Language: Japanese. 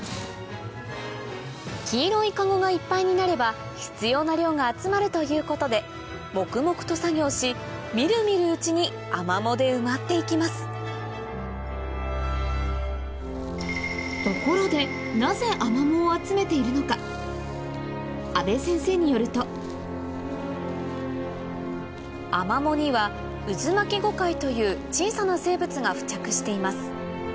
黄色いカゴがいっぱいになれば必要な量が集まるということで黙々と作業し見る見るうちにアマモで埋まって行きますところでなぜアマモを集めているのか阿部先生によるとアマモにはウズマキゴカイという小さな生物が付着しています